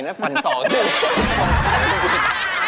แต่ฝั่นสองจะ